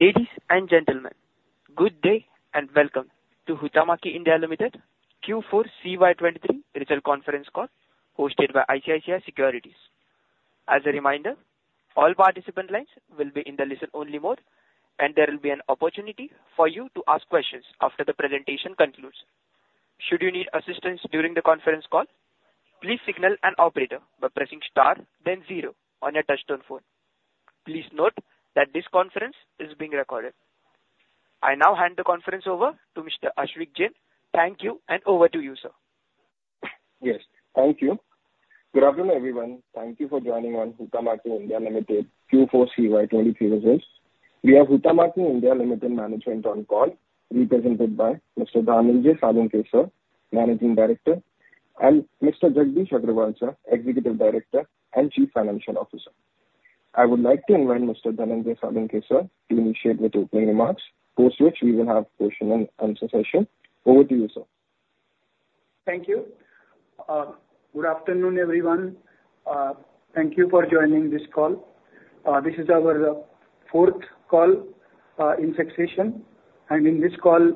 Ladies and gentlemen, good day and welcome to Huhtamaki India Limited Q4 CY 2023 earnings conference call hosted by ICICI Securities. As a reminder, all participant lines will be in the Listen-Only mode, and there will be an opportunity for you to ask questions after the presentation concludes. Should you need assistance during the conference call, please signal an operator by pressing star then zero on your touch-tone phone. Please note that this conference is being recorded. I now hand the conference over to Mr. Ashvik Jain. Thank you, and over to you, sir. Yes, thank you. Good afternoon, everyone. Thank you for joining on Huhtamaki India Limited Q4 CY 2023 earnings call. We have Huhtamaki India Limited management on call, represented by Mr. Dhananjay Salunkhe, Managing Director, and Mr. Jagdish Agarwal, Executive Director and Chief Financial Officer. I would like to invite Mr. Dhananjay Salunkhe, sir, to initiate with opening remarks, after which we will have question and answer session. Over to you, sir. Thank you. Good afternoon, everyone. Thank you for joining this call. This is our fourth call in succession, and in this call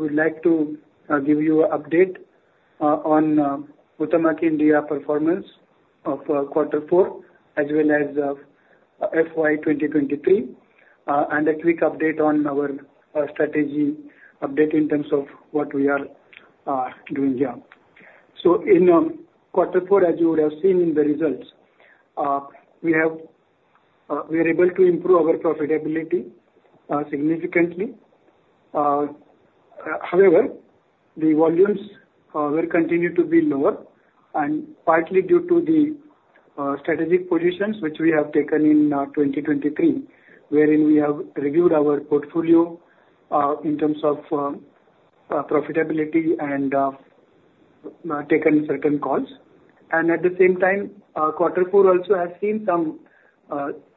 we'd like to give you an update on Huhtamaki India performance of quarter four as well as FY 2023, and a quick update on our strategy update in terms of what we are doing here. So in quarter four, as you would have seen in the results, we are able to improve our profitability significantly. However, the volumes will continue to be lower, and partly due to the strategic positions which we have taken in 2023, wherein we have reviewed our portfolio in terms of profitability and taken certain calls. And at the same time, quarter four also has seen some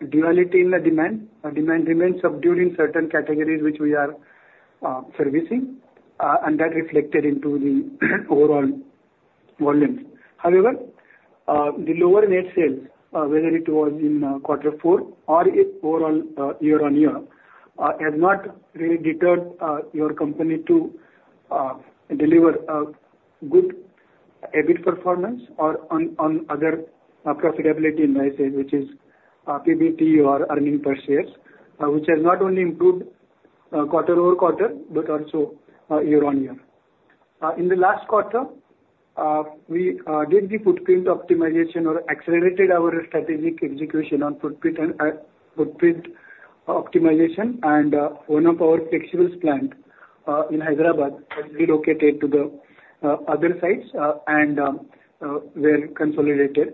duality in the demand. Demand remains subdued in certain categories which we are servicing, and that reflected into the overall volumes. However, the lower net sales, whether it was in quarter four or overall year-on-year, have not really deterred your company to deliver a good EBIT performance or on other profitability indices, which is PBT or earnings per share, which has not only improved quarter-over-quarter but also year-on-year. In the last quarter, we did the footprint optimization or accelerated our strategic execution on footprint optimization, and one of our flexibles plant in Hyderabad has relocated to the other sites and were consolidated.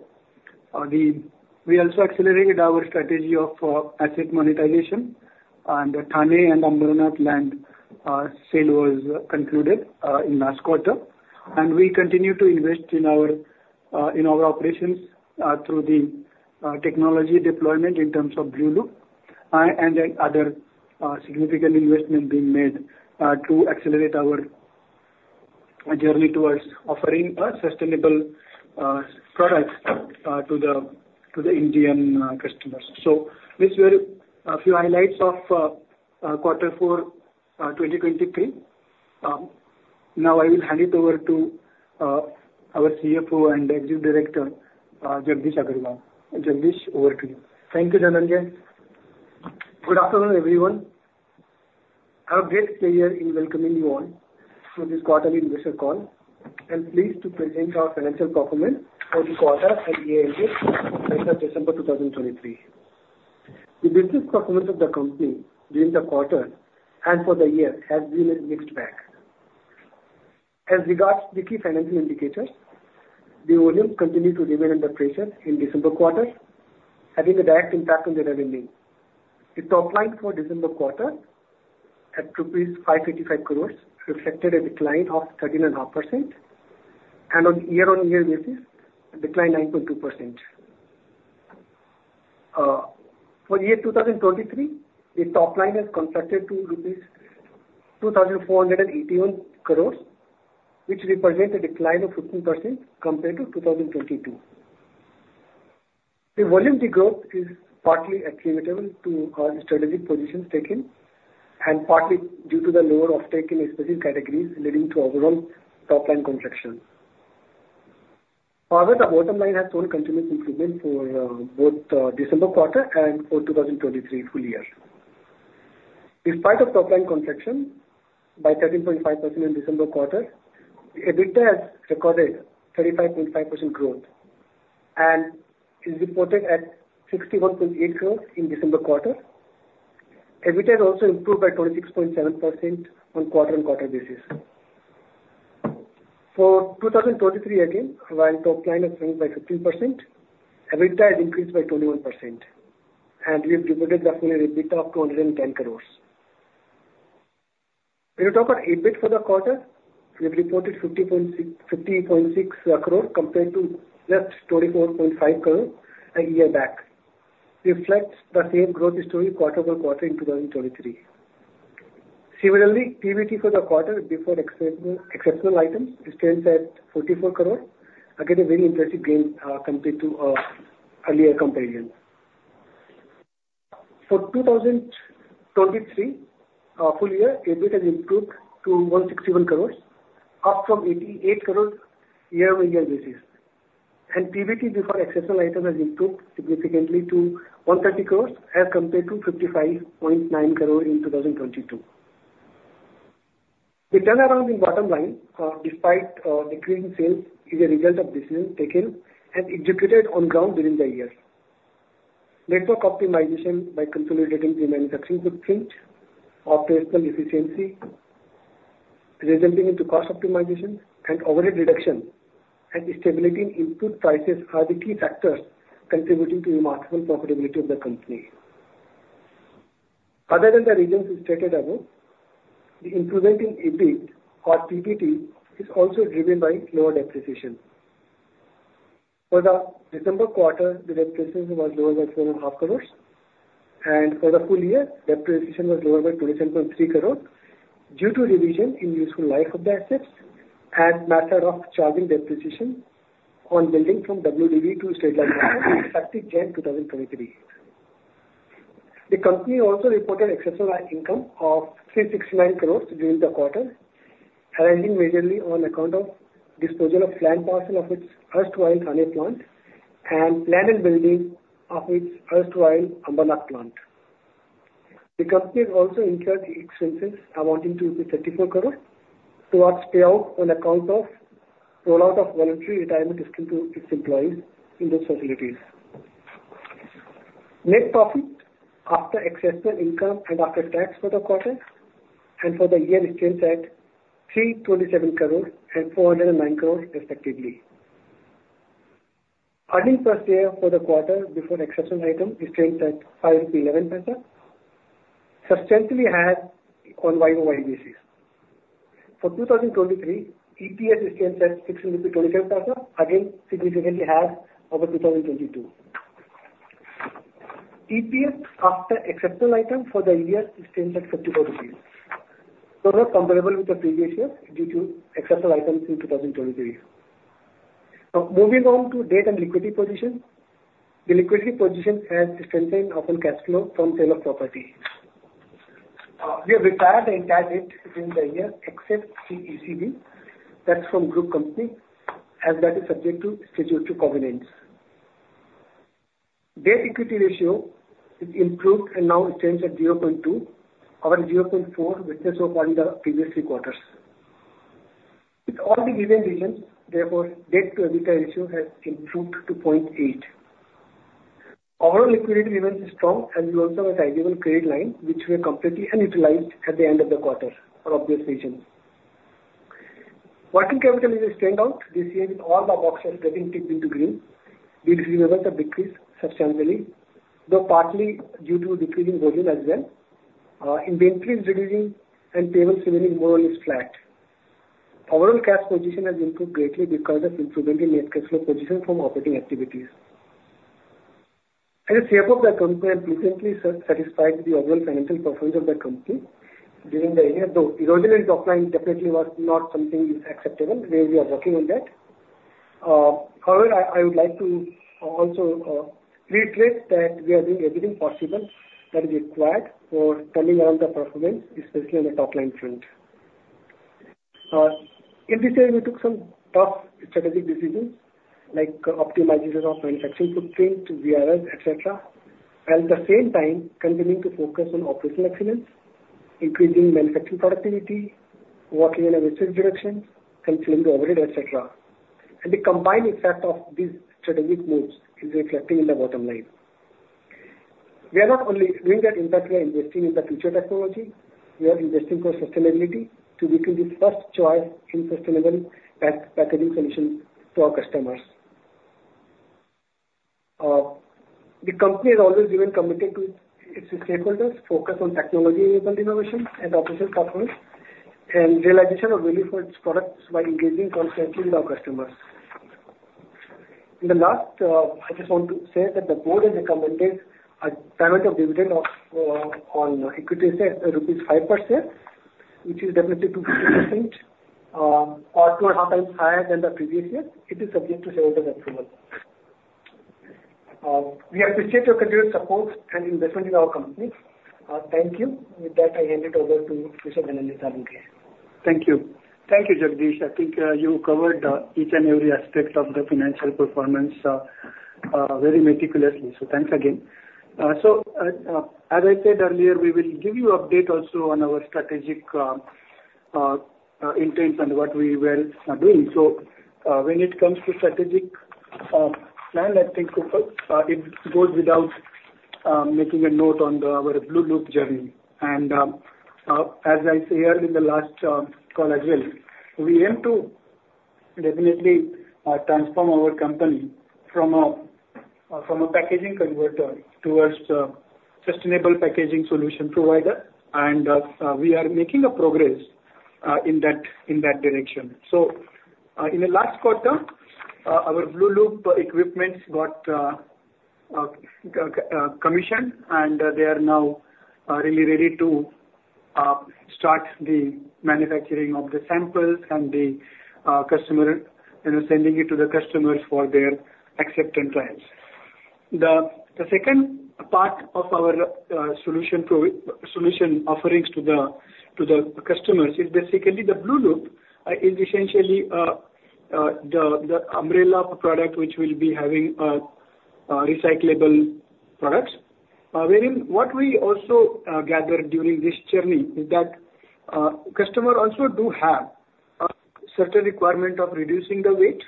We also accelerated our strategy of asset monetization, and Thane and Ambernath land sale was concluded in last quarter. We continue to invest in our operations through the technology deployment in terms of Blueloop, and then other significant investment being made to accelerate our journey towards offering a sustainable product to the Indian customers. These were a few highlights of quarter four 2023. Now I will hand it over to our CFO and Executive Director, Jagdish Agarwal. Jagdish, over to you. Thank you, Dhananjay. Good afternoon, everyone. Happy New Year, and welcoming you all to this quarterly Investor Call, and pleased to present our financial performance for the quarter at the end of December 2023. The business performance of the company during the quarter and for the year has been mixed bag. As regards to the key financial indicators, the volumes continue to remain under pressure in December quarter, having a direct impact on the revenue. The top line for December quarter at rupees 585 crores reflected a decline of 13.5%, and on year-on-year basis, a decline of 9.2%. For year 2023, the top line has contracted to rupees 2,481 crores, which represents a decline of 15% compared to 2022. The volume degrowth is partly attributable to our strategic positions taken and partly due to the lower offtake in specific categories leading to overall top line contraction. However, the bottom line has shown continuous improvement for both December quarter and for 2023 full year. Despite the top line contraction by 13.5% in December quarter, EBITDA has recorded 35.5% growth and is reported at 61.8 crores in December quarter. EBITDA has also improved by 26.7% on quarter-on-quarter basis. For 2023 again, while top line has shrunk by 15%, EBITDA has increased by 21%, and we've divided the full year EBITDA up to 110 crores. When you talk about EBIT for the Quarter, we've reported 50.6 crores compared to just 24.5 crores a year back, reflects the same growth story quarter-over-quarter in 2023. Similarly, PBT for the quarter before exceptional items stands at 44 crore, again a very impressive gain compared to earlier comparisons. For 2023 full year, EBITDA has improved to 161 crore, up from 88 crore year-on-year basis. PBT before exceptional items has improved significantly to 130 crore as compared to 55.9 crore in 2022. The turnaround in bottom line, despite decreasing sales, is a result of decisions taken and executed on ground during the year. Network optimization by consolidating the manufacturing footprint, operational efficiency resulting into cost optimization, and overhead reduction and stability in input prices are the key factors contributing to remarkable profitability of the company. Other than the reasons stated above, the improvement in EBIT or PBT is also driven by lower depreciation. For the December quarter, the depreciation was lower by 7.5 crores, and for the full year, depreciation was lower by 27.3 crores due to revision in useful life of the assets as a matter of charging depreciation on building from WDV to stabilized assets as of 30/10/2023. The company also reported exceptional income of 369 crores during the quarter, arising majorly on account of disposal of land parcel of its Huhtamaki Thane plant and land and building of its Huhtamaki Ambernath plant. The company has also incurred expenses amounting to 34 crores towards payout on account of rollout of voluntary retirement schemes to its employees in those facilities. Net profit after exceptional income and after tax for the quarter and for the year stands at 327 crores and 409 crores, respectively. Earnings per share for the quarter before exceptional item stands at Rs 5.11, substantially halved on year-on-year basis. For 2023, EPS stands at 6.27, again significantly halved over 2022. EPS after exceptional item for the year stands at 54 rupees, so not comparable with the previous year due to exceptional items in 2023. Now, moving on to debt and liquidity position, the liquidity position has strengthened upon cash flow from sale of property. We have retired the entire debt during the year except the ECB that's from group company, as that is subject to statutory covenants. Debt/equity ratio is improved and now stands at 0.2 over 0.4, witnessed over the previous three quarters. With all the given reasons, therefore, debt-to-EBITDA ratio has improved to 0.8. Overall liquidity remains strong, and we also have a sizable credit line which we have completely utilized at the end of the quarter for obvious reasons. Working capital is a standout this year with all the boxes getting ticked into green. Dividends have decreased substantially, though partly due to decreasing volume as well. Inventory is reducing, and payables remaining more or less flat. Overall cash position has improved greatly because of improvement in net cash flow position from operating activities. As a CFO of the company, I'm pleasantly satisfied with the overall financial performance of the company during the year, though erosion in top line definitely was not something acceptable where we are working on that. However, I would like to also reiterate that we are doing everything possible that is required for turning around the performance, especially on the top line front. In this year, we took some tough strategic decisions like optimization of manufacturing footprint, VRS, etc., while at the same time continuing to focus on operational excellence, increasing manufacturing productivity, working in a right direction, canceling the overhead, etc. The combined effect of these strategic moves is reflecting in the bottom line. We are not only doing that in fact, we are investing in the future technology. We are investing for sustainability to become the first choice in sustainable packaging solutions to our customers. The company has always remained committed to its stakeholders, focused on technology-enabled innovation and operational performance, and realization of value for its products by engaging constantly with our customers. In the last, I just want to say that the board has recommended a payment of dividend on equity shares at rupees 5 per share, which is definitely 250% or 2.5 times higher than the previous year. It is subject to shareholders' approval. We appreciate your continued support and investment in our company. Thank you. With that, I hand it over to Mr. Dhananjay Salunkhe. Thank you. Thank you, Jagdish. I think you covered each and every aspect of the financial performance very meticulously. Thanks again. As I said earlier, we will give you an update also on our strategic intents and what we were doing. When it comes to strategic plan, I think it goes without making a note on our Blueloop journey. As I said earlier in the last call as well, we aim to definitely transform our company from a packaging converter towards a sustainable packaging solution provider, and we are making progress in that direction. In the last quarter, our Blueloop equipment got commissioned, and they are now really ready to start the manufacturing of the samples and sending it to the customers for their acceptance trials. The second part of our solution offerings to the customers is basically the Blueloop, is essentially the umbrella product which will be having recyclable products. Wherein what we also gathered during this journey is that customers also do have a certain requirement of reducing the weight,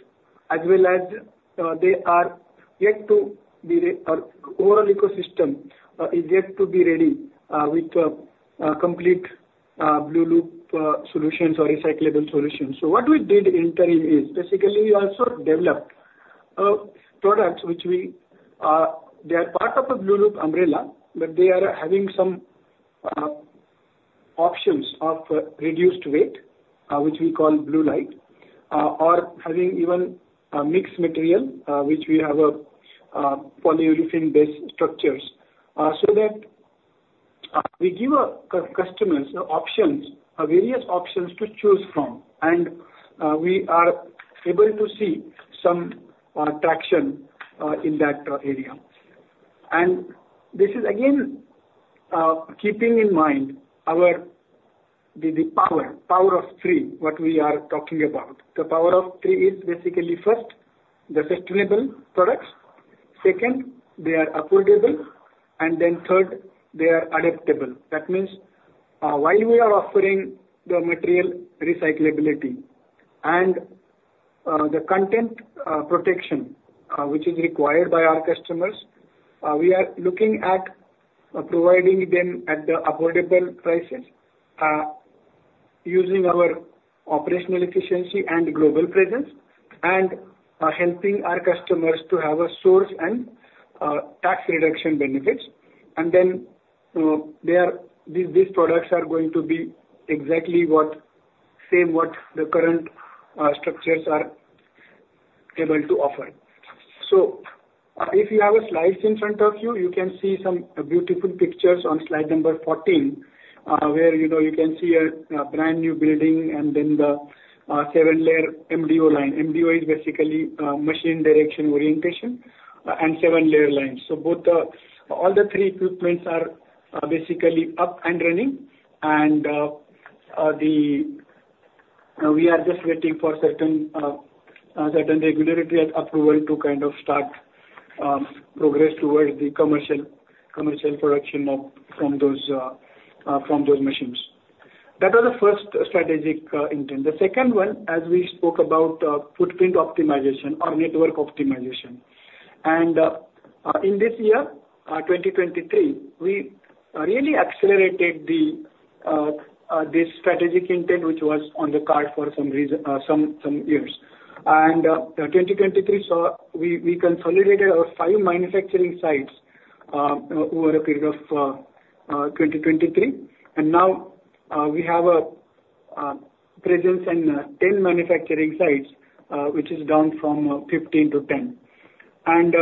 as well as they are yet to be, our overall ecosystem is yet to be ready with complete Blueloop solutions or recyclable solutions. So what we did in turn is basically we also developed products which are part of a Blueloop umbrella, but they are having some options of reduced weight, which we call Blueloop Light, or having even mixed material, which we have polyurethane-based structures, so that we give customers options, various options to choose from. We are able to see some traction in that area. And this is again keeping in mind the power, power of three, what we are talking about. The power of three is basically, first, the sustainable products. Second, they are affordable. And then third, they are adaptable. That means while we are offering the material recyclability and the content protection which is required by our customers, we are looking at providing them at the affordable prices, using our operational efficiency and global presence, and helping our customers to have a source and tax reduction benefits. And then these products are going to be exactly the same what the current structures are able to offer. So if you have a slide in front of you, you can see some beautiful pictures on slide number 14 where you can see a brand new building and then the seven-layer MDO line. MDO is basically machine direction orientation and seven-layer line. So all three equipment are basically up and running, and we are just waiting for certain regulatory approval to kind of start progress towards the commercial production from those machines. That was the first strategic intent. The second one, as we spoke about, footprint optimization or network optimization. In this year, 2023, we really accelerated this strategic intent which was on the cards for some years. 2023 saw we consolidated our five manufacturing sites over a period of 2023. And now we have a presence in 10 manufacturing sites, which is down from 15-10. And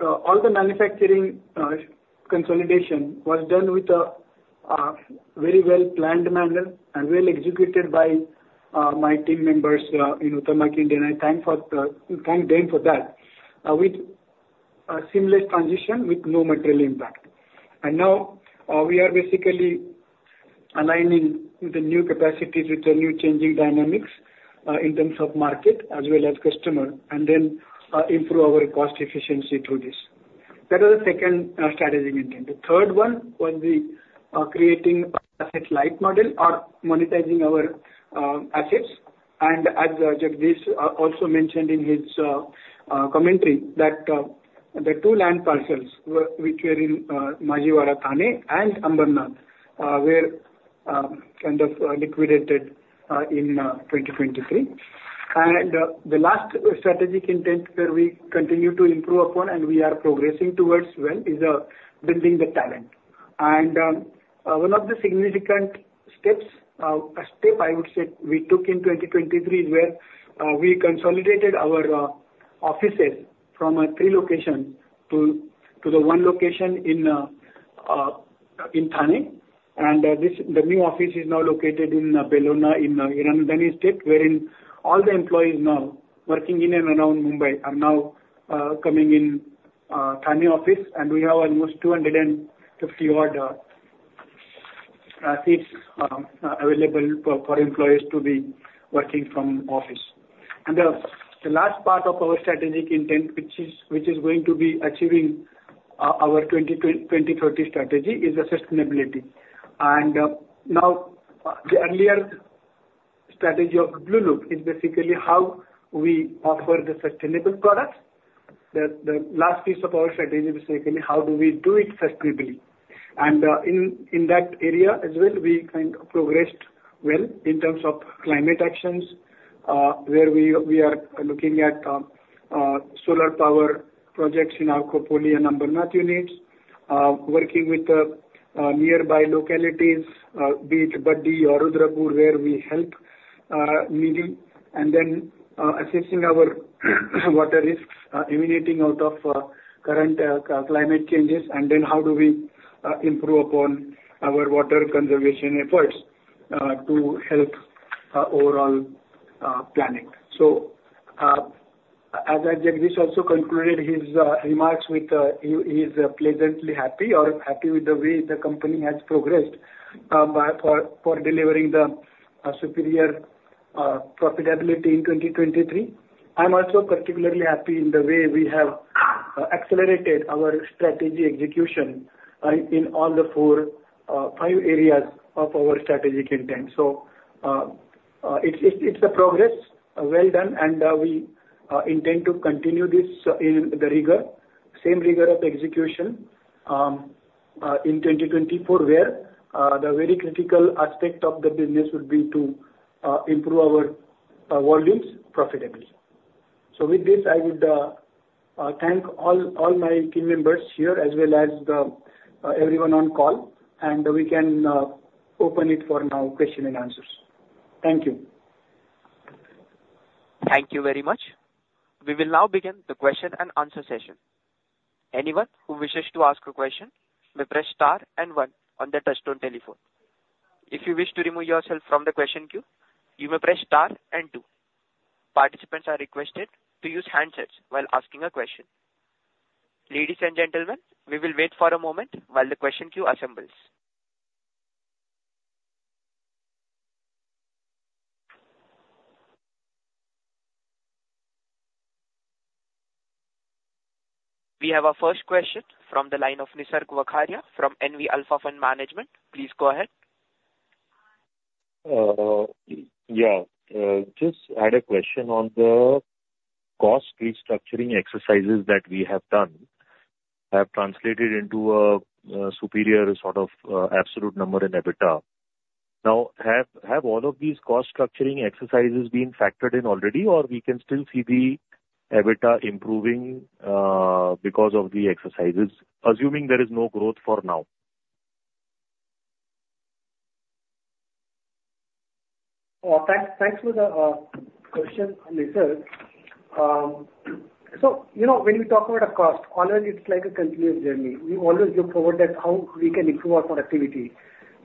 all the manufacturing consolidation was done with a very well-planned manner and well executed by my team members in Huhtamaki India. I thank them for that with a seamless transition with no material impact. Now we are basically aligning the new capacities with the new changing dynamics in terms of market as well as customer, and then improve our cost efficiency through this. That was the second strategic intent. The third one was creating an asset-light model or monetizing our assets. And as Jagdish also mentioned in his commentary, the two land parcels which were in Majiwada, Thane, and Ambernath were kind of liquidated in 2023. And the last strategic intent where we continue to improve upon and we are progressing towards, well, is building the talent. And one of the significant steps, a step I would say we took in 2023 is where we consolidated our offices from three locations to the one location in Thane. The new office is now located in Bellona in Hiranandani Estate wherein all the employees now working in and around Mumbai are now coming in Thane office. We have almost 250-odd seats available for employees to be working from office. The last part of our strategic intent, which is going to be achieving our 2030 strategy, is the sustainability. Now the earlier strategy of Blueloop is basically how we offer the sustainable products. The last piece of our strategy is basically how do we do it sustainably. In that area as well, we kind of progressed well in terms of climate actions where we are looking at solar power projects in our Khopoli and Ambernath units, working with nearby localities be it Baddi or Rudrapur where we help needy, and then assessing our water risks, emanating out of current climate changes, and then how do we improve upon our water conservation efforts to help our overall planning. As I said, this also concluded his remarks with. He is pleasantly happy or happy with the way the company has progressed for delivering the superior profitability in 2023. I'm also particularly happy in the way we have accelerated our strategy execution in all the four five areas of our strategic intent. So it's a progress, well done, and we intend to continue this in the rigor, same rigor of execution in 2024 where the very critical aspect of the business would be to improve our volumes profitably. So with this, I would thank all my team members here as well as everyone on call. We can open it for now, question and answers. Thank you. Thank you very much. We will now begin the question and answer session. Anyone who wishes to ask a question, may press star and one on the touchtone telephone. If you wish to remove yourself from the question queue, you may press star and two. Participants are requested to use handsets while asking a question. Ladies and gentlemen, we will wait for a moment while the question queue assembles. We have our first question from the line of Nisarg Vakharia from NV Alpha Fund Management. Please go ahead. Yeah. Just had a question on the cost restructuring exercises that we have done. Have translated into a superior sort of absolute number in EBITDA. Now, have all of these cost restructuring exercises been factored in already, or we can still see the EBITDA improving because of the exercises, assuming there is no growth for now? Thanks for the question, Nisarg. So when we talk about a cost, all of it's like a continuous journey. We always look forward at how we can improve our productivity.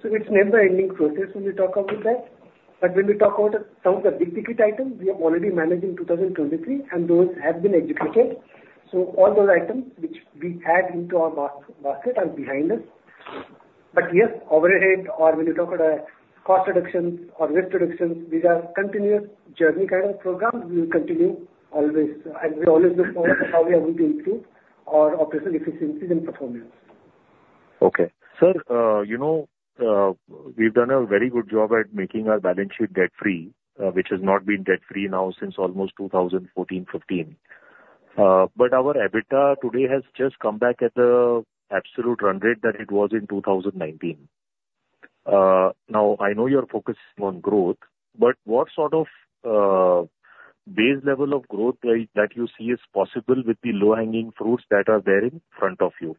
So it's never-ending process when we talk about that. But when we talk about some of the big-ticket items, we are already managing 2023, and those have been executed. So all those items which we had into our basket are behind us. But yes, overhead or when you talk about cost reductions or risk reductions, these are continuous journey kind of programs. We will continue always. And we always look forward to how we are going to improve our operational efficiencies and performance. Okay. Sir, we've done a very good job at making our balance sheet debt-free, which has not been debt-free now since almost 2014-2015. But our EBITDA today has just come back at the absolute run rate that it was in 2019. Now, I know you're focusing on growth, but what sort of base level of growth that you see is possible with the low-hanging fruits that are there in front of you?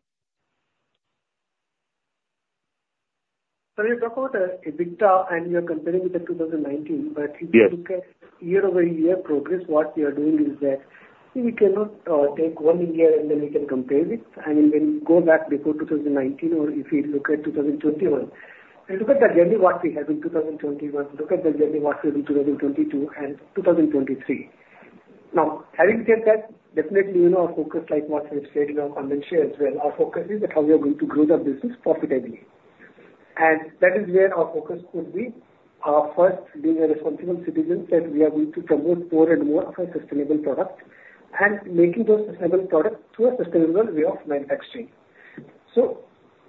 So you talk about EBITDA, and you're comparing it to 2019. But if you look at year-over-year progress, what we are doing is that we cannot take one year and then we can compare it. I mean, when you go back before 2019 or if you look at 2021, look at the journey what we have in 2021. Look at the journey what we have in 2022 and 2023. Now, having said that, definitely our focus, like what we've said in our commentary as well, our focus is at how we are going to grow the business profitably. And that is where our focus would be, first, being a responsible citizen that we are going to promote more and more of a sustainable product and making those sustainable products through a sustainable way of manufacturing. So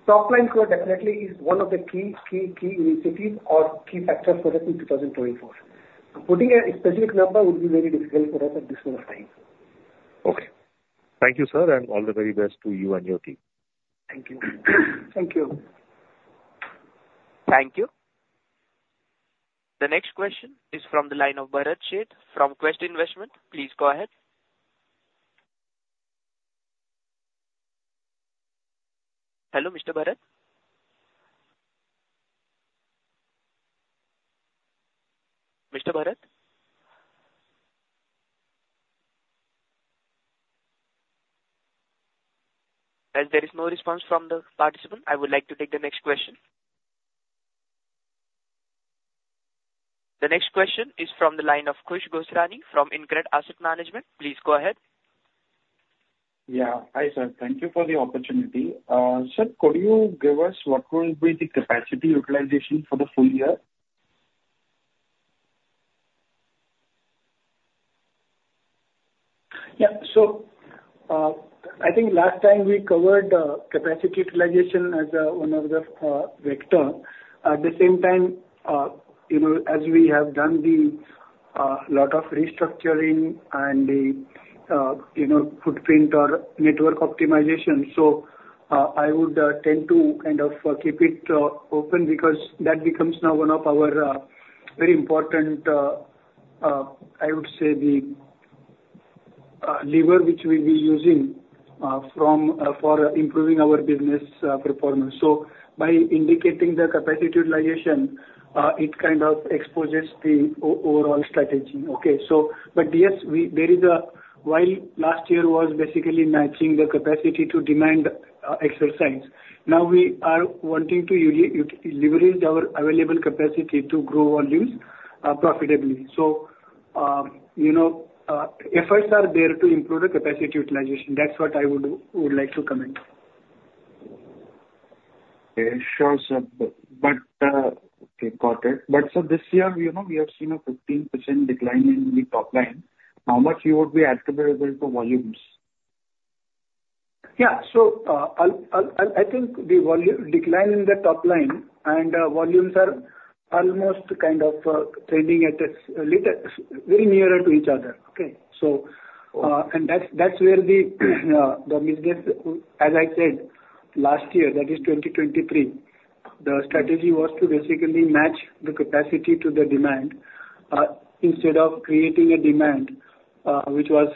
top line growth definitely is one of the key, key, key initiatives or key factors for us in 2024. So putting a specific number would be very difficult for us at this point of time. Okay. Thank you, sir, and all the very best to you and your team. Thank you. Thank you. Thank you. The next question is from the line of Bharat Sheth from Quest Investment Advisors. Please go ahead. Hello, Mr. Bharat? Mr. Bharat? As there is no response from the participant, I would like to take the next question. The next question is from the line of Khush Gosrani from InCred Asset Management. Please go ahead. Yeah. Hi, sir. Thank you for the opportunity. Sir, could you give us what will be the capacity utilization for the full year? Yeah. So I think last time we covered capacity utilization as one of the vectors. At the same time, as we have done a lot of restructuring and the footprint or network optimization, so I would tend to kind of keep it open because that becomes now one of our very important, I would say, the lever which we'll be using for improving our business performance. So by indicating the capacity utilization, it kind of exposes the overall strategy, okay? But yes, there is. While last year was basically matching the capacity to demand exercise. Now, we are wanting to leverage our available capacity to grow volumes profitably. So efforts are there to improve the capacity utilization. That's what I would like to comment. Okay. Sure, sir. Okay. Got it. But sir, this year, we have seen a 15% decline in the top line. How much would be attributable to volumes? Yeah. So I think the decline in the top line and volumes are almost kind of trending at a very nearer to each other, okay? And that's where the business, as I said, last year, that is 2023, the strategy was to basically match the capacity to the demand instead of creating a demand which was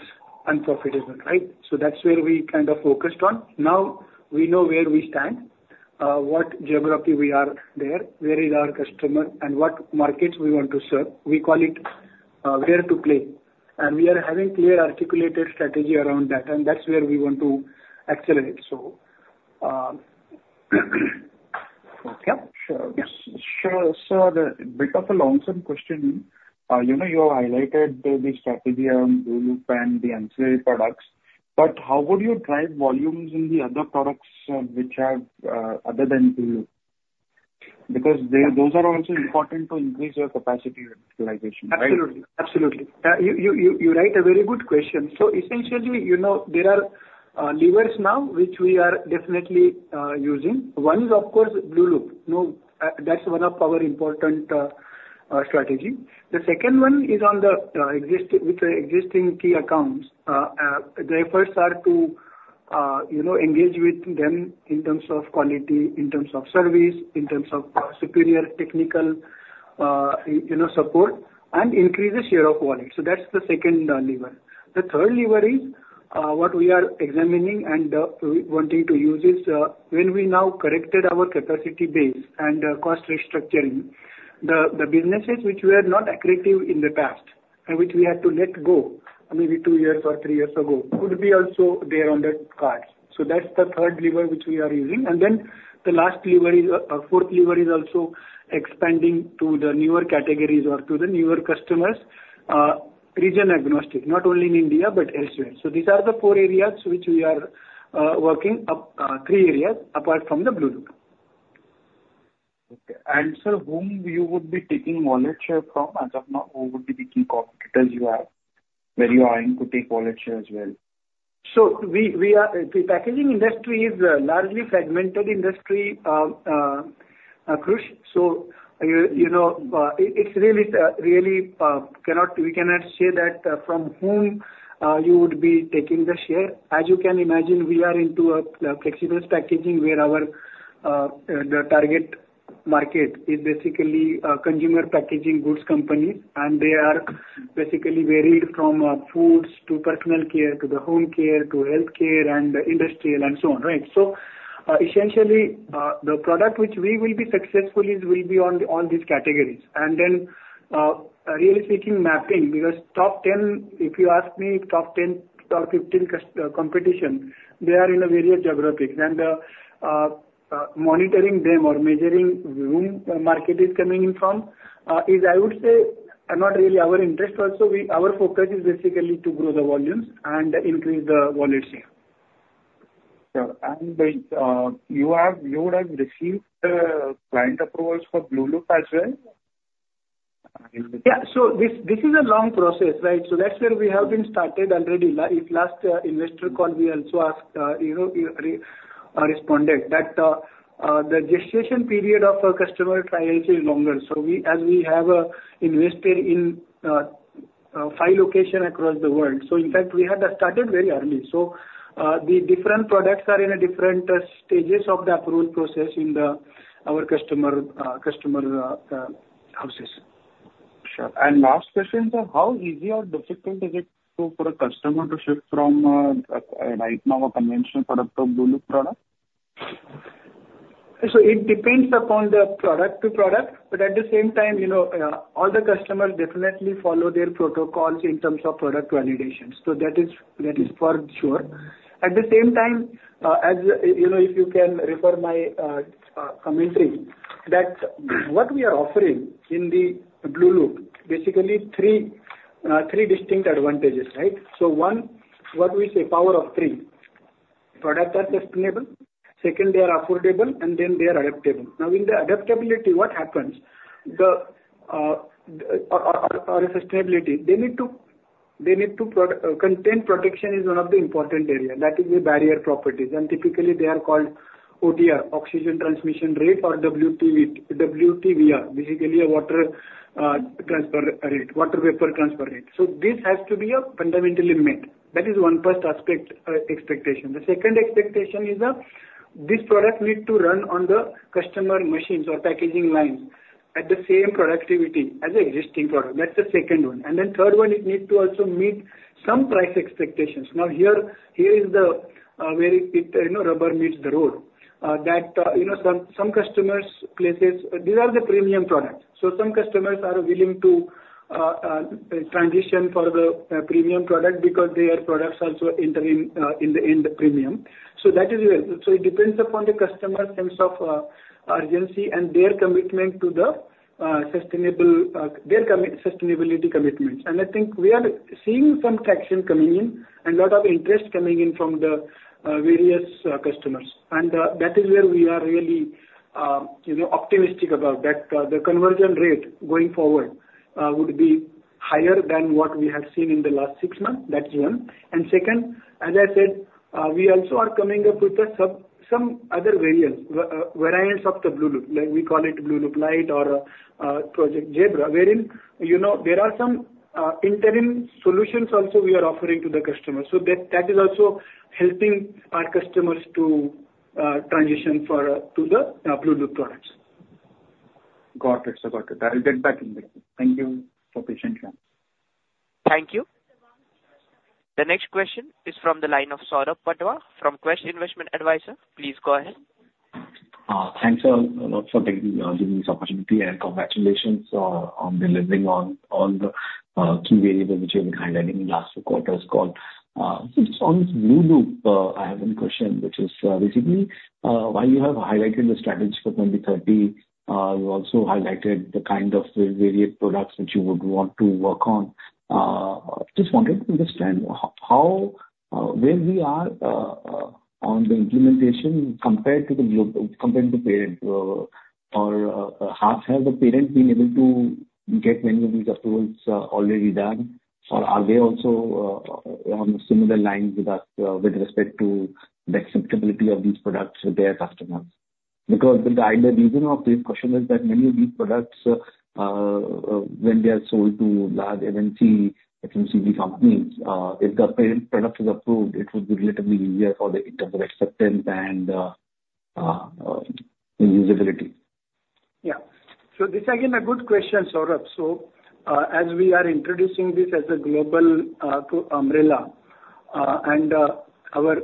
unprofitable, right? So that's where we kind of focused on. Now, we know where we stand, what geography we are there, where is our customer, and what markets we want to serve. We call it where to play. And we are having clear, articulated strategy around that. And that's where we want to accelerate, so. Okay. Sure. Sir, a bit of a long-term question. You have highlighted the strategy on Blueloop and the ancillary products. But how would you drive volumes in the other products other than Blueloop? Because those are also important to increase your capacity utilization, right? Absolutely. Absolutely. You write a very good question. So essentially, there are levers now which we are definitely using. One is, of course, Blueloop. That's one of our important strategies. The second one is with the existing key accounts. The efforts are to engage with them in terms of quality, in terms of service, in terms of superior technical support, and increase the share of wallet. So that's the second lever. The third lever is what we are examining and wanting to use is when we now corrected our capacity base and cost restructuring, the businesses which were not attractive in the past and which we had to let go, I mean, two years or three years ago, could be also there on the cards. So that's the third lever which we are using. And then the last lever is a fourth lever is also expanding to the newer categories or to the newer customers, region-agnostic, not only in India but elsewhere. So these are the four areas which we are working, three areas apart from the Blueloop. Okay. And sir, whom you would be taking wallet share from as of now? Who would be the key competitors you have where you are aiming to take wallet share as well? So the packaging industry is largely a fragmented industry, Khush. So it's really; we cannot say that from whom you would be taking the share. As you can imagine, we are into a flexible packaging where the target market is basically consumer packaging goods companies. And they are basically varied from foods to personal care to the home care to healthcare and industrial and so on, right? So essentially, the product which we will be successful with will be on all these categories. And then really speaking, mapping because top 10, if you ask me, top 10 or 15 competition, they are in various geographies. And monitoring them or measuring whom the market is coming in from is, I would say, not really our interest also. Our focus is basically to grow the volumes and increase the wallet share. Sure. And you would have received client approvals for Blueloop as well? Yeah. So this is a long process, right? So that's where we have started already. In last investor call, we also responded that the gestation period of a customer trial is longer. So as we have invested in 5 locations across the world, so in fact, we had started very early. So the different products are in different stages of the approval process in our customer houses. Sure. And last question, sir. How easy or difficult is it for a customer to shift from now a conventional product to a Blueloop product? So it depends upon the product to product. But at the same time, all the customers definitely follow their protocols in terms of product validations. So that is for sure. At the same time, if you can refer my commentary, that what we are offering in the Blueloop, basically, three distinct advantages, right? So one, what we say, power of three. Product are sustainable. Second, they are affordable. And then they are adaptable. Now, in the adaptability, what happens? Our sustainability, they need to contain protection is one of the important areas. That is the barrier properties. And typically, they are called OTR, oxygen transmission rate, or WVTR, basically, a water vapor transmission rate. So this has to be fundamentally met. That is one first expectation. The second expectation is this product needs to run on the customer machines or packaging lines at the same productivity as the existing product. That's the second one. And then third one, it needs to also meet some price expectations. Now, here is where rubber meets the road, that some customers' places, these are the premium products. So some customers are willing to transition for the premium product because their products also enter in the end premium. So that is where so it depends upon the customer's sense of urgency and their commitment to their sustainability commitments. And I think we are seeing some traction coming in and a lot of interest coming in from the various customers. And that is where we are really optimistic about that the conversion rate going forward would be higher than what we have seen in the last six months. That's one and second, as I said, we also are coming up with some other variants, variants of the Blueloop. We call it Blueloop Light or Project Zebra, wherein there are some interim solutions also we are offering to the customers. So that is also helping our customers to transition to the Blueloop products. Got it. So got it. I'll get back in a bit. Thank you for patience, sir. Thank you. The next question is from the line of Saurabh Patwa from Quest Investment Advisors. Please go ahead. Thanks, sir, a lot for giving me this opportunity. Congratulations on delivering on all the key variables which you have been highlighting in the last four quarterly calls. So just on Blueloop, I have one question which is basically, while you have highlighted the strategy for 2030, you also highlighted the kind of varied products which you would want to work on. Just wanted to understand where we are on the implementation compared to the parent or have the parent been able to get many of these approvals already done? Or are they also on similar lines with us with respect to the acceptability of these products with their customers? Because the ideal reason of this question is that many of these products, when they are sold to large FMCG companies, if the parent product is approved, it would be relatively easier for them in terms of acceptance and usability. Yeah. So this is, again, a good question, Saurabh. So as we are introducing this as a global umbrella and our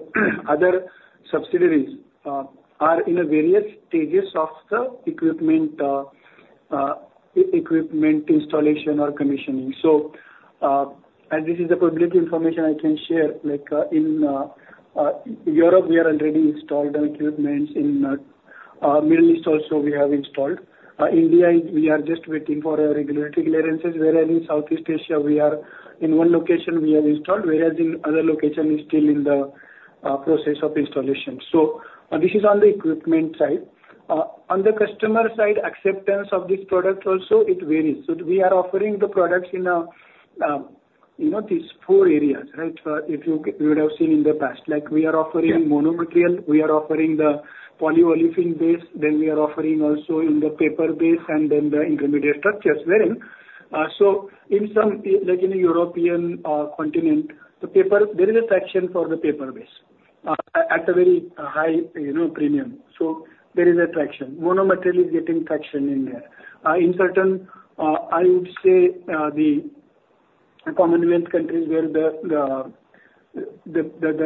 other subsidiaries are in various stages of the equipment installation or commissioning. So as this is the public information I can share, in Europe, we are already installed on equipment. In Middle East also, we have installed. In India, we are just waiting for regulatory clearances. Whereas in Southeast Asia, in one location, we have installed, whereas in other locations, it's still in the process of installation. So this is on the equipment side. On the customer side, acceptance of this product also, it varies. So we are offering the products in these four areas, right, if you would have seen in the past. We are offering mono-material. We are offering the polyolefin base. Then we are offering also in the paper base and then the intermediate structures. So in some European continent, there is a traction for the paper base at a very high premium. So there is attraction. Mono-material is getting traction in there. In certain, I would say, the Commonwealth countries where the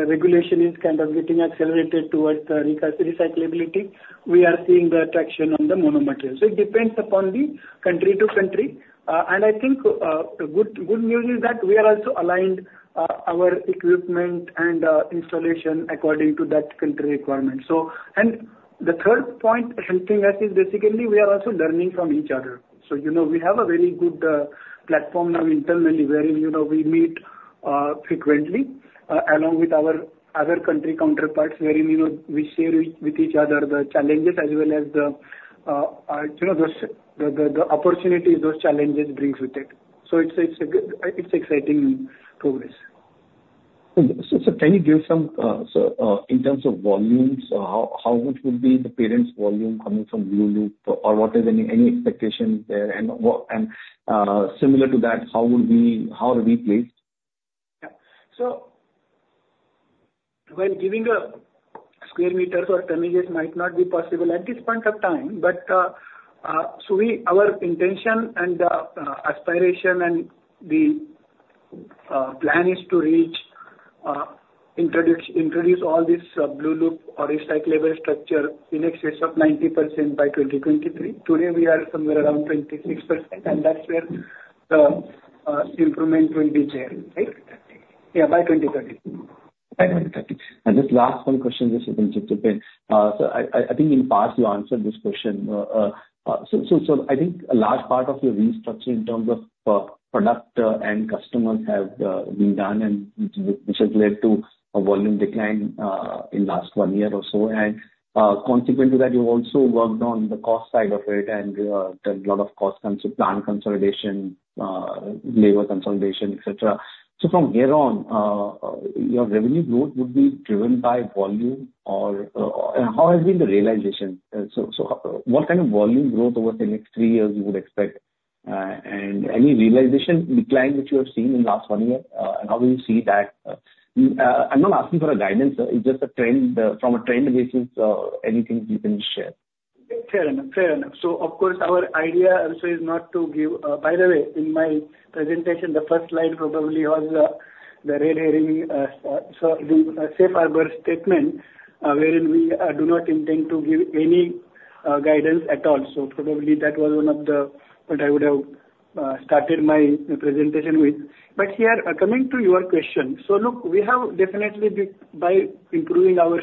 regulation is kind of getting accelerated towards the recyclability, we are seeing the attraction on the mono-material. So it depends upon the country to country. And I think good news is that we are also aligned our equipment and installation according to that country requirement. And the third point helping us is basically, we are also learning from each other. So we have a very good platform now internally wherein we meet frequently along with our other country counterparts wherein we share with each other the challenges as well as the opportunities those challenges bring with it. So it's exciting progress. Okay. So can you give some so in terms of volumes, how much would be the parent's volume coming from Blueloop? Or what is any expectation there? And similar to that, how are we placed? Yeah. So when giving a square meters or tonnages might not be possible at this point of time, but our intention and aspiration and the plan is to introduce all this Blueloop or recyclable structure in excess of 90% by 2023. Today, we are somewhere around 26%. And that's where the improvement will be there, right? Yeah, by 2030. By 2030. Just last one question, just a little bit. So I think in the past, you answered this question. So I think a large part of your restructure in terms of product and customers have been done, which has led to a volume decline in the last one year or so. And consequent to that, you've also worked on the cost side of it and done a lot of cost plan consolidation, labor consolidation, etc. So from here on, your revenue growth would be driven by volume. And how has been the realization? So what kind of volume growth over the next three years you would expect? And any realization decline which you have seen in the last one year? And how do you see that? I'm not asking for a guidance, sir. It's just from a trend basis, anything you can share. Fair enough. Fair enough. So of course, our idea also is not to give, by the way, in my presentation, the first slide probably was the red herring, the safe harbor statement wherein we do not intend to give any guidance at all. So probably that was one of the what I would have started my presentation with. But here, coming to your question, so look, we have definitely by improving our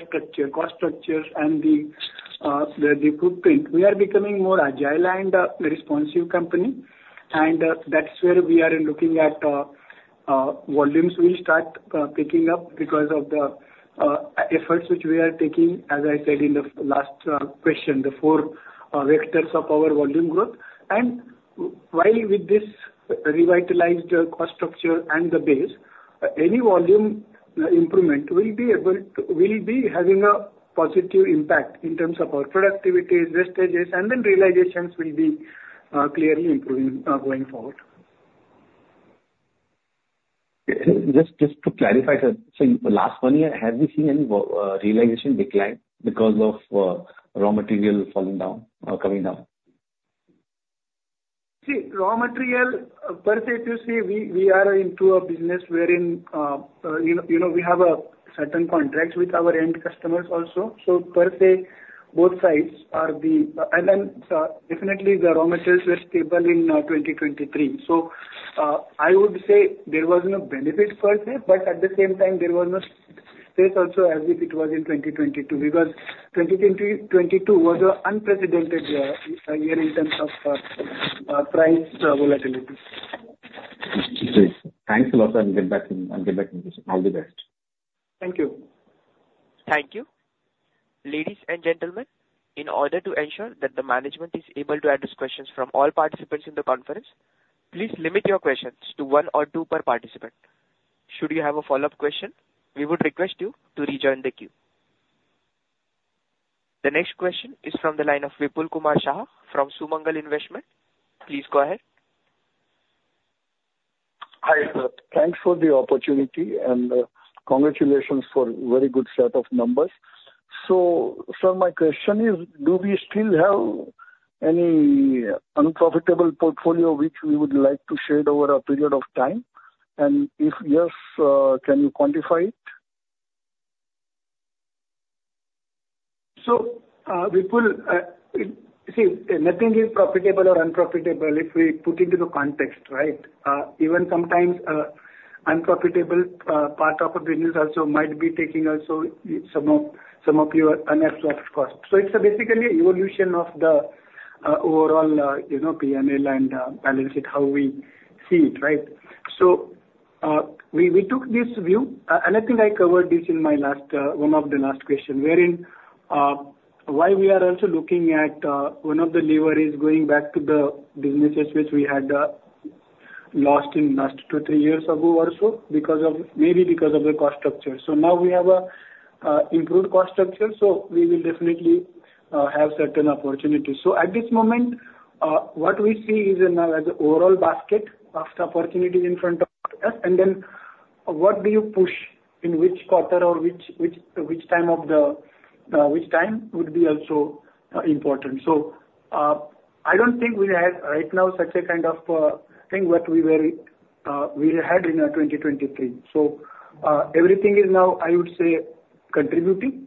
cost structures and the footprint, we are becoming more agile and responsive company. And that's where we are looking at volumes we'll start picking up because of the efforts which we are taking, as I said in the last question, the four vectors of our volume growth. While with this revitalized cost structure and the base, any volume improvement will be having a positive impact in terms of our productivities, vestiges, and then realizations will be clearly improving going forward. Just to clarify, sir, so in the last one year, have we seen any realization decline because of raw material coming down? See, raw material per se, to say, we are into a business wherein we have certain contracts with our end customers also. So per se, both sides are the and then definitely, the raw materials were stable in 2023. So I would say there was no benefit per se. But at the same time, there was no stress also as if it was in 2022 because 2022 was an unprecedented year in terms of price volatility. Thanks a lot, sir. I'll get back in a bit. Have the best. Thank you. Thank you. Ladies and gentlemen, in order to ensure that the management is able to address questions from all participants in the conference, please limit your questions to one or two per participant. Should you have a follow-up question, we would request you to rejoin the queue. The next question is from the line of Vipul Kumar Shah from Sumangal Investments. Please go ahead. Hi, sir. Thanks for the opportunity. Congratulations for a very good set of numbers. Sir, my question is, do we still have any unprofitable portfolio which we would like to share over a period of time? And if yes, can you quantify it? So Vipul, see, nothing is profitable or unprofitable if we put into the context, right? Even sometimes, unprofitable part of a business also might be taking also some of your unabsorbed cost. So it's basically an evolution of the overall P&L and balance it, how we see it, right? So we took this view. And I think I covered this in one of the last questions wherein why we are also looking at one of the leverages going back to the businesses which we had lost in the last 2, 3 years ago also maybe because of the cost structure. So now we have an improved cost structure. So we will definitely have certain opportunities. So at this moment, what we see is now as the overall basket of the opportunities in front of us. And then what do you push in which quarter or which time of the which time would be also important? So I don't think we have right now such a kind of thing what we had in 2023. So everything is now, I would say, contributing.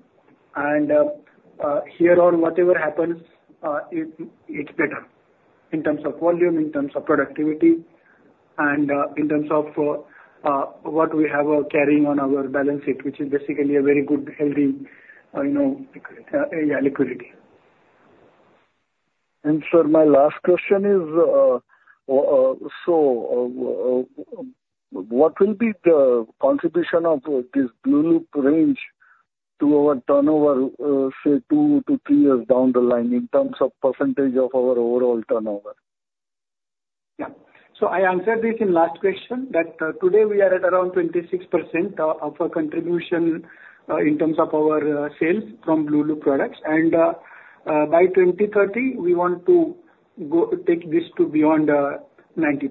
And here on, whatever happens, it's better in terms of volume, in terms of productivity, and in terms of what we have carrying on our balance sheet, which is basically a very good, healthy yeah, liquidity. And sir, my last question is, so what will be the contribution of this Blueloop range to our turnover, say, 2-3 years down the line in terms of percentage of our overall turnover? Yeah. So I answered this in the last question that today, we are at around 26% of our contribution in terms of our sales from Blueloop products. And by 2030, we want to take this to beyond 90%.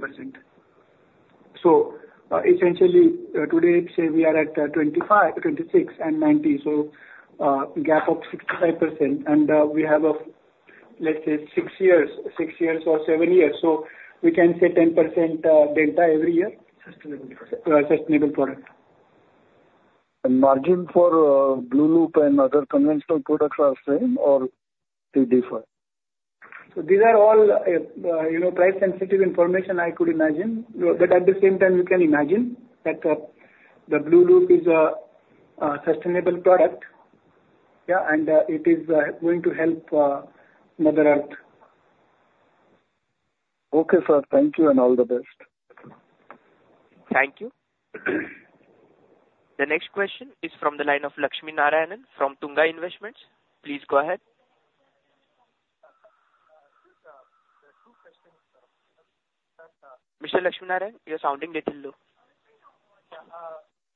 So essentially, today, say, we are at 26 and 90, so a gap of 65%. And we have a, let's say, six years or seven years. So we can say 10% delta every year. Sustainable product. Sustainable product. Margin for Blueloop and other conventional products are the same, or they differ? These are all price-sensitive information, I could imagine. At the same time, you can imagine that the Blueloop is a sustainable product. Yeah. It is going to help Mother Earth. Okay, sir. Thank you. All the best. Thank you. The next question is from the line of Lakshmi Narayanan from Tunga Investments. Please go ahead. Mr. Lakshmi Narayanan, you're sounding a little low.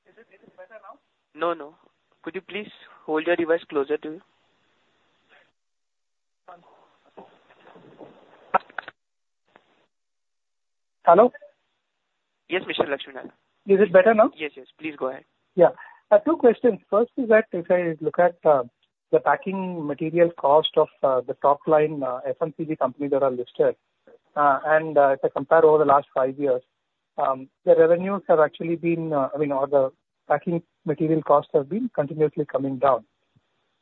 Is it better now? No, no. Could you please hold your device closer to you? Hello? Yes, Mr. Lakshmi Narayanan. Is it better now? Yes, yes. Please go ahead. Yeah. Two questions. First is that if I look at the packaging material cost of the top-line FMCG companies that are listed and if I compare over the last five years, the revenues have actually been I mean, or the packaging material costs have been continuously coming down.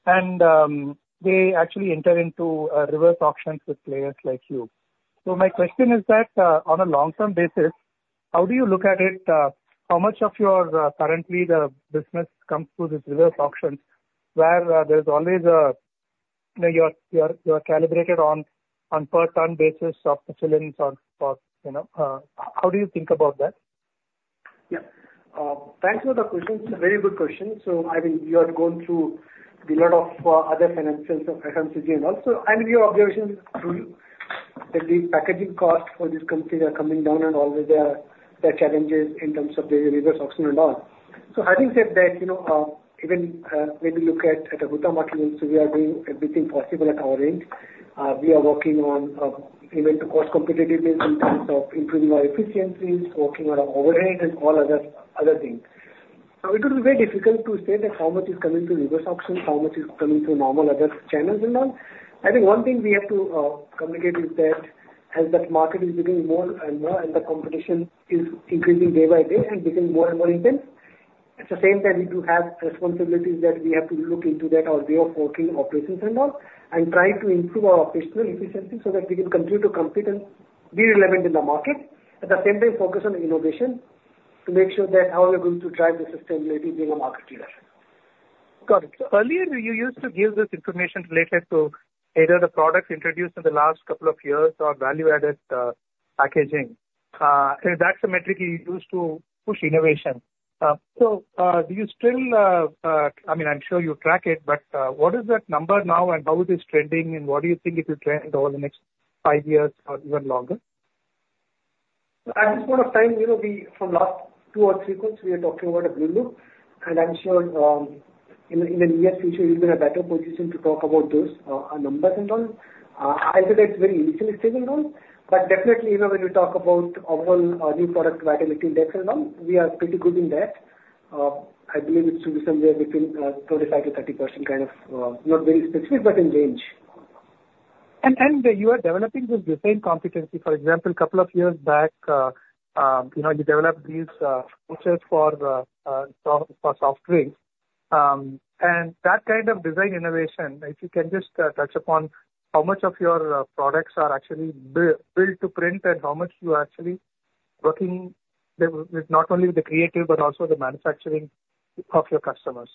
And they actually enter into reverse auctions with players like you. So my question is that on a long-term basis, how do you look at it? How much of your currently the business comes through these reverse auctions where there's always a you're calibrated on per-ton basis of the films or how do you think about that? Yeah. Thanks for the question. It's a very good question. So I mean, you are going through a lot of other financials of FMCG and also. I mean, your observations through that the packaging cost for these companies are coming down and all their challenges in terms of the reverse auction and all. So having said that, even when we look at the Huhtamaki materials, we are doing everything possible at our end. We are working on even to cost competitiveness in terms of improving our efficiencies, working on our overhead, and all other things. So it will be very difficult to say that how much is coming through reverse auction, how much is coming through normal other channels and all. I think one thing we have to communicate is that as the market is getting more and more and the competition is increasing day by day and becoming more and more intense, at the same time, we do have responsibilities that we have to look into that or way of working operations and all and try to improve our operational efficiency so that we can continue to compete and be relevant in the market, at the same time, focus on innovation to make sure that how we're going to drive the sustainability being a market leader. Got it. So earlier, you used to give this information related to either the products introduced in the last couple of years or value-added packaging. That's a metric you used to push innovation. So do you still—I mean, I'm sure you track it. But what is that number now? And how is it trending? And what do you think it will trend over the next five years or even longer? At this point of time, from last two or three quarters, we are talking about a Blueloop. And I'm sure in the near future, we'll be in a better position to talk about those numbers and all. I'll say that it's very initially stable now. But definitely, when we talk about overall New Product Vitality Index and all, we are pretty good in that. I believe it should be somewhere between 25%-30% kind of not very specific, but in range. You are developing this design competency. For example, a couple of years back, you developed these features for soft drinks. That kind of design innovation, if you can just touch upon how much of your products are actually built to print and how much you're actually working not only with the creative but also the manufacturing of your customers?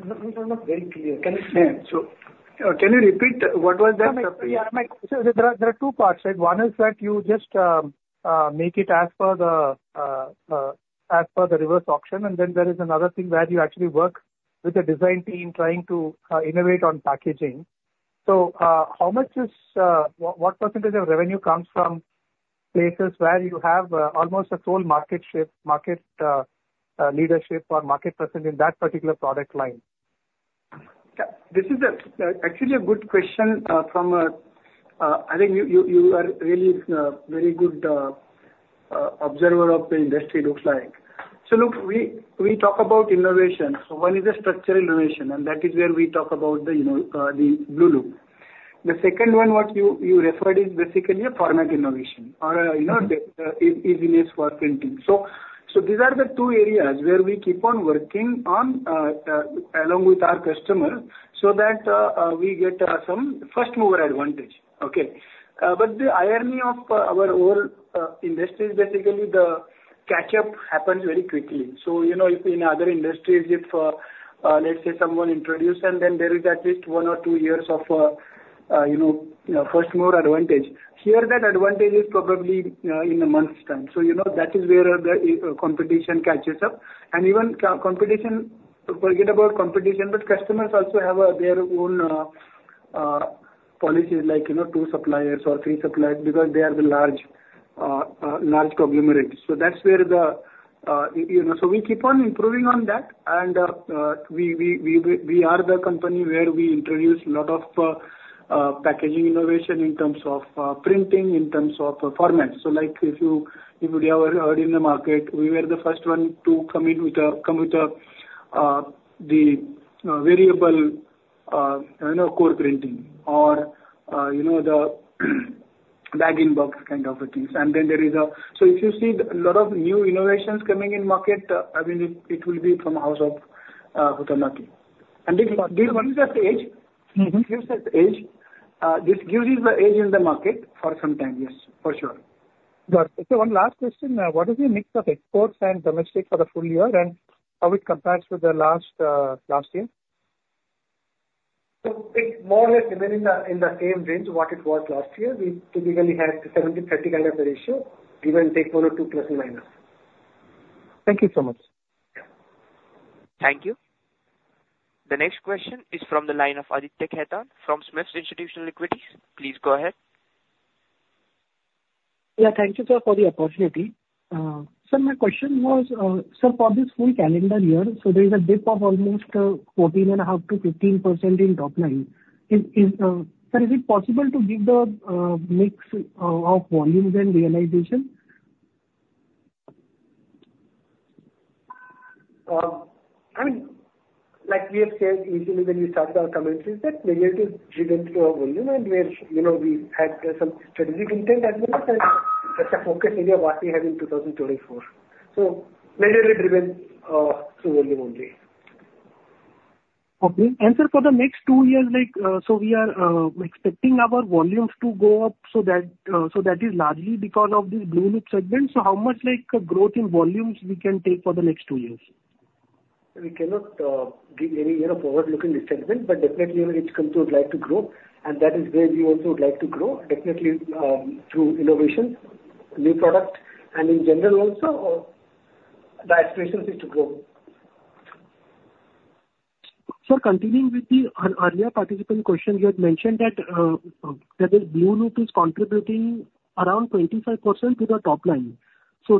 I'm not very clear. Can you repeat? What was that? Yeah. So there are two parts, right? One is that you just make it as per the reverse auction. And then there is another thing where you actually work with the design team trying to innovate on packaging. So how much is what percentage of revenue comes from places where you have almost a full market leadership or market presence in that particular product line? Yeah. This is actually a good question from a I think you are really a very good observer of the industry, it looks like. So look, we talk about innovation. So one is the structural innovation. And that is where we talk about the Blueloop. The second one, what you referred is basically a format innovation or easiness for printing. So these are the two areas where we keep on working along with our customers so that we get some first-mover advantage, okay? But the irony of our overall industry is basically the catch-up happens very quickly. So in other industries, if, let's say, someone introduces, and then there is at least one or two years of first-mover advantage. Here, that advantage is probably in a month's time. So that is where the competition catches up. And even forget about competition. But customers also have their own policies like two suppliers or three suppliers because they are the large conglomerates. So that's where the so we keep on improving on that. And we are the company where we introduce a lot of packaging innovation in terms of printing, in terms of formats. So if you'd ever heard in the market, we were the first one to come in with the variable code printing or the bag-in-box kind of things. And then there is a so if you see a lot of new innovations coming in market, I mean, it will be from the house of Huhtamaki. And this one is just edge. This is just edge. This gives you the edge in the market for some time, yes, for sure. Got it. One last question. What is your mix of exports and domestic for the full year? And how it compares with the last year? It's more or less remaining in the same range what it was last year. We typically had 70/30 kind of a ratio. We will take 1 or 2. Thank you so much. Thank you. The next question is from the line of Aditya Khetan from SMIFS Institutional Equities. Please go ahead. Yeah. Thank you, sir, for the opportunity. Sir, my question was, sir, for this full calendar year, so there is a dip of almost 14.5%-15% in top line. Sir, is it possible to give the mix of volumes and realization? I mean, like we have said easily when we started our commentary, that majority is driven through our volume. We had some strategic intent as well. That's a focus area what we have in 2024. So majority driven through volume only. Okay. And sir, for the next two years, so we are expecting our volumes to go up. So that is largely because of this Blueloop segment. So how much growth in volumes we can take for the next two years? We cannot give any forward-looking discussion. Definitely, each country would like to grow. That is where we also would like to grow, definitely through innovation, new product, and in general also, the aspirations is to grow. Sir, continuing with the earlier participant question, you had mentioned that this Blueloop is contributing around 25% to the top line.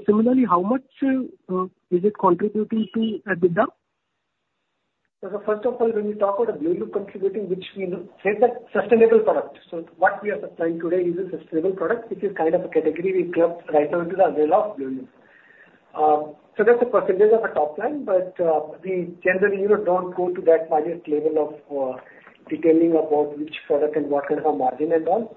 Similarly, how much is it contributing to at the top? So first of all, when we talk about a Blueloop contributing, which we say is a sustainable product so what we are supplying today is a sustainable product, which is kind of a category we club right now into the umbrella of Blueloop. So that's a percentage of a top line. But we generally don't go to that finest level of detailing about which product and what kind of a margin and all.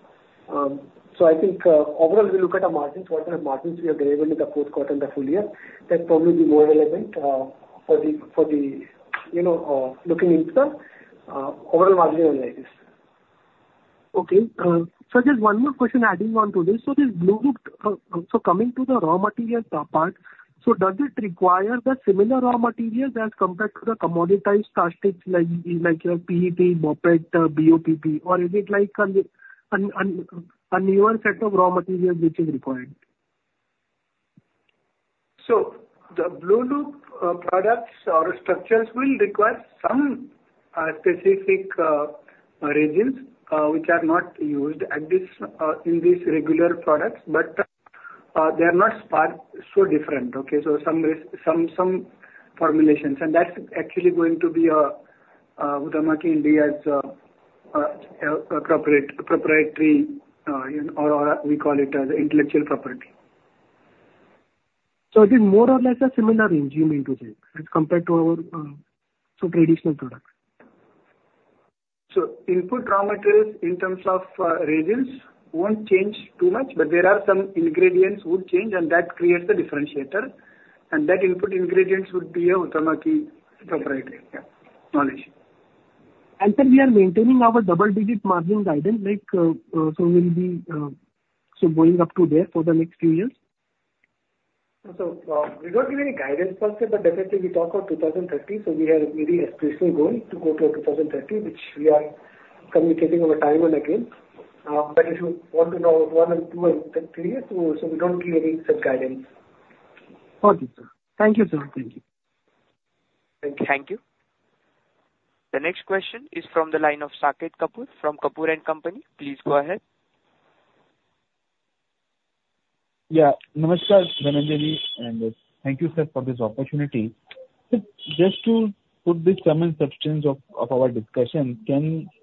So I think overall, we look at our margins, what kind of margins we are delivering in the fourth quarter and the full year. That's probably be more relevant for the looking into the overall margin analysis. Okay. So just one more question adding on to this. So this Blueloop so coming to the raw material part, so does it require the similar raw materials as compared to the commoditized plastics like PET, MOPET, BOPP? Or is it a newer set of raw materials which is required? So the Blueloop products or structures will require some specific resins which are not used in these regular products. But they are not so different, okay? So some formulations. And that's actually going to be Huhtamaki India's proprietary or we call it as intellectual property. It is more or less a similar resin into this as compared to our traditional products? Input raw materials in terms of resins won't change too much. But there are some ingredients that would change. And that creates a differentiator. And that input ingredients would be a Huhtamaki proprietary knowledge. And sir, we are maintaining our double-digit margin guidance? So we'll be so going up to there for the next few years? We don't give any guidance per se. Definitely, we talk about 2030. We have a very aspirational goal to go to 2030, which we are communicating over time and again. If you want to know one and two and three years, so we don't give any such guidance. Okay, sir. Thank you, sir. Thank you. Thank you. Thank you. The next question is from the line of Saket Kapoor from Kapoor & Company. Please go ahead. Yeah. Namaskar, Dhananjay Salunkhe. And thank you, sir, for this opportunity. Just to put this sum and substance of our discussion,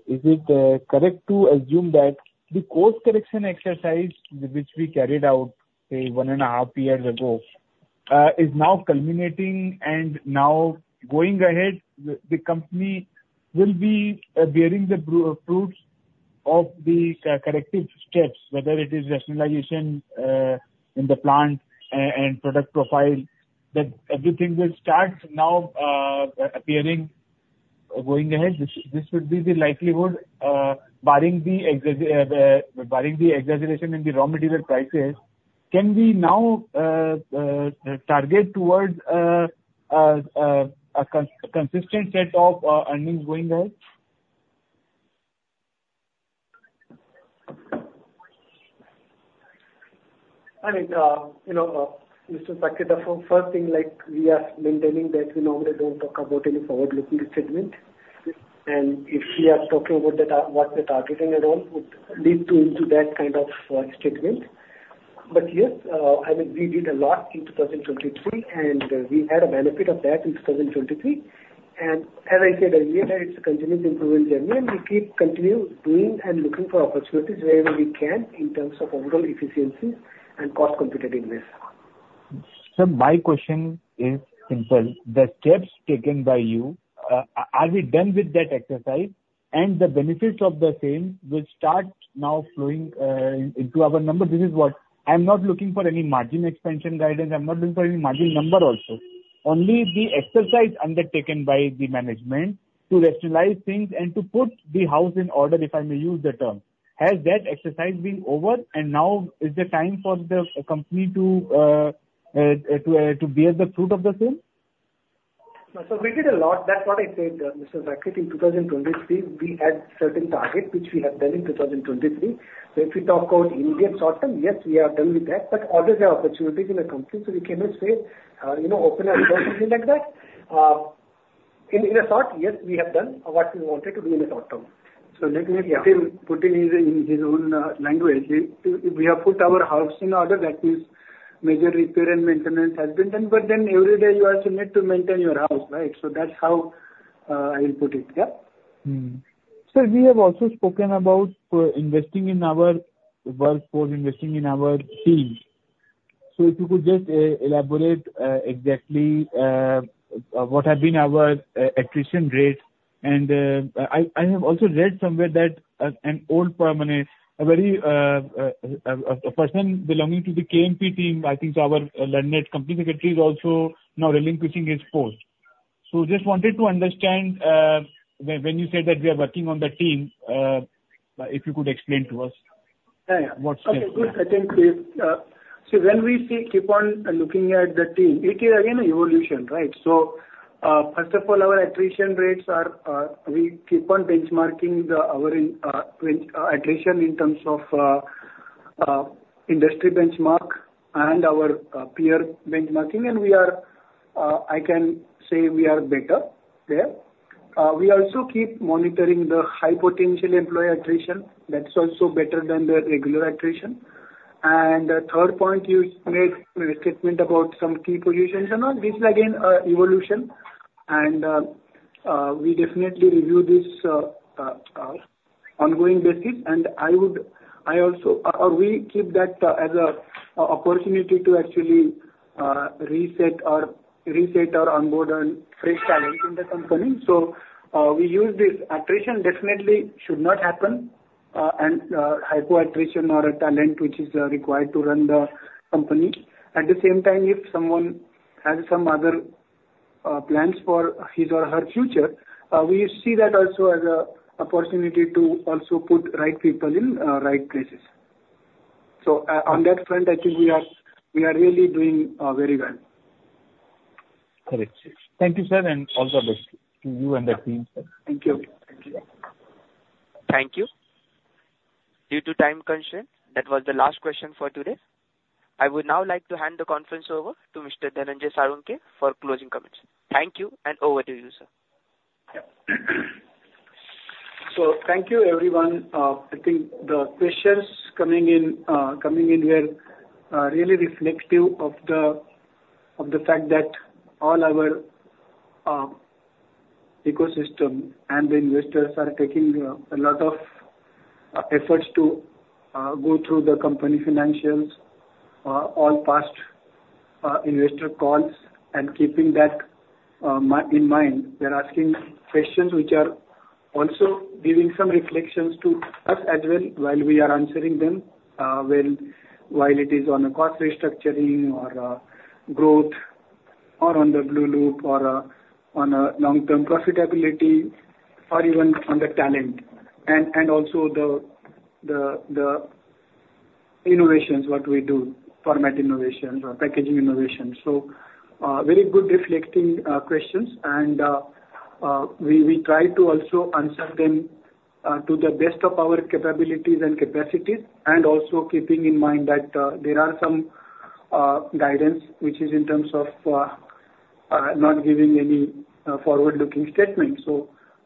is it correct to assume that the course correction exercise which we carried out, say, 1.5 years ago, is now culminating? And now going ahead, the company will be bearing the fruits of the corrective steps, whether it is rationalization in the plant and product profile, that everything will start now appearing going ahead? This would be the likelihood barring the exaggeration in the raw material prices. Can we now target towards a consistent set of earnings going ahead? I mean, Mr. Saket, first thing, we are maintaining that we normally don't talk about any forward-looking statement. And if we are talking about what we're targeting at all, it would lead into that kind of statement. But yes, I mean, we did a lot in 2023. And we had a benefit of that in 2023. And as I said earlier, it's a continuous improvement journey. And we keep continuing doing and looking for opportunities wherever we can in terms of overall efficiency and cost competitiveness. Sir, my question is simple. The steps taken by you, are we done with that exercise? And the benefits of the same will start now flowing into our number. This is what I'm not looking for any margin expansion guidance. I'm not looking for any margin number also. Only the exercise undertaken by the management to rationalize things and to put the house in order, if I may use the term, has that exercise been over? And now is the time for the company to bear the fruit of the same? So we did a lot. That's what I said, Mr. Saket, in 2023, we had certain targets which we had done in 2023. So if we talk about immediate short term, yes, we are done with that. But others are opportunities in the company. So we cannot say open our doors or anything like that. In short, yes, we have done what we wanted to do in the short term. So let me put it in his own language. If we have put our house in order, that means major repair and maintenance has been done. But then every day, you also need to maintain your house, right? So that's how I will put it. Yeah? Sir, we have also spoken about investing in our workforce, investing in our team. So if you could just elaborate exactly what have been our attrition rates? And I have also read somewhere that an old permanent person belonging to the KMP team, I think our learned company secretary is also now relinquishing his post. So just wanted to understand when you said that we are working on the team, if you could explain to us what steps? Okay. Good. I think so. So when we keep on looking at the team, it is, again, an evolution, right? So first of all, our attrition rates, we keep on benchmarking our attrition in terms of industry benchmark and our peer benchmarking. And I can say we are better there. We also keep monitoring the high-potential employee attrition. That's also better than the regular attrition. And third point, you made a statement about some key positions and all. This is, again, an evolution. And we definitely review this ongoing basis. And I would also or we keep that as an opportunity to actually reset or onboard a fresh talent in the company. So we use this. Attrition definitely should not happen. And high-potential attrition or a talent which is required to run the company. At the same time, if someone has some other plans for his or her future, we see that also as an opportunity to also put the right people in the right places. So on that front, I think we are really doing very well. Correct. Thank you, sir. All the best to you and the team, sir. Thank you. Thank you. Thank you. Due to time constraints, that was the last question for today. I would now like to hand the conference over to Mr. Dhananjay Salunkhe for closing comments. Thank you. And over to you, sir. Yeah. So thank you, everyone. I think the questions coming in here are really reflective of the fact that all our ecosystem and the investors are taking a lot of efforts to go through the company financials, all past investor calls, and keeping that in mind. They're asking questions which are also giving some reflections to us as well while we are answering them, whether it is on the cost restructuring or growth or on the Blueloop or on long-term profitability or even on the talent and also the innovations, what we do, format innovations or packaging innovations. So very good reflecting questions. And we try to also answer them to the best of our capabilities and capacities and also keeping in mind that there are some guidance which is in terms of not giving any forward-looking statements.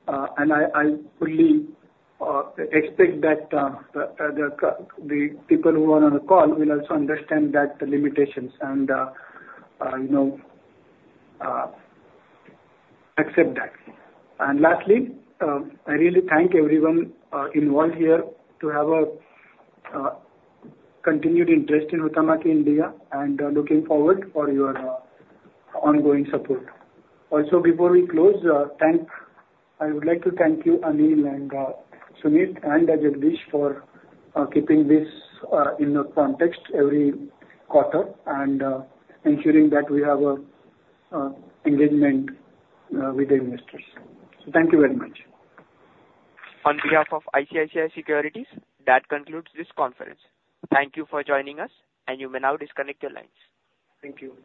I fully expect that the people who are on the call will also understand the limitations and accept that. Lastly, I really thank everyone involved here to have a continued interest in Huhtamaki India, and looking forward for your ongoing support. Before we close, I would like to thank you, Anil and Sumit, and Jagdish for keeping this in the context every quarter and ensuring that we have engagement with the investors. Thank you very much. On behalf of ICICI Securities, that concludes this conference. Thank you for joining us. You may now disconnect your lines. Thank you.